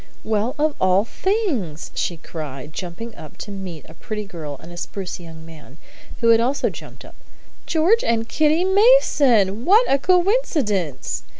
"Well, of all things!" she cried, jumping up to meet a pretty girl and a spruce young man, who had also jumped up. "George and Kitty Mason! What a coincidence!"